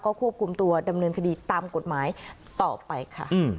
ควบคุมตัวดำเนินคดีตามกฎหมายต่อไปค่ะ